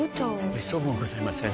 めっそうもございません。